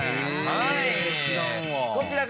こちらが。